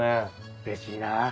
うれしいなあ。